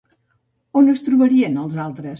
On es trobarien els altres?